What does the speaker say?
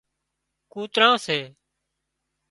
ڪوتران سي